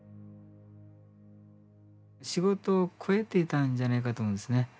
仕事を超えてたんじゃないかと思うんですね。